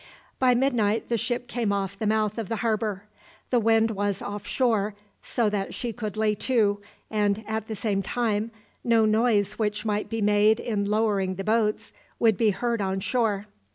By midnight the ship came off the mouth of the harbour. The wind was off shore, so that she could lay to, and, at the same time, no noise which might be made in lowering the boats would be heard on shore.